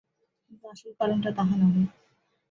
কিন্তু আসল কারণটা তাহা নহে।